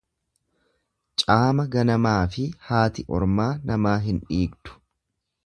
Caama ganamaafi haati ormaa namaa hin dhiigdu.